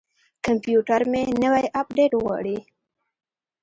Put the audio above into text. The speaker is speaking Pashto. کمپیوټر مې نوی اپډیټ غواړي.